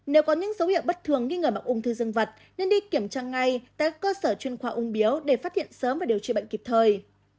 nếu có những dấu hiệu bất thường nghi ngờ mắc ung thư dân vật nên đi kiểm tra ngay tại cơ sở chuyên khoa ung biếu để phát hiện sớm và điều trị bệnh kịp thời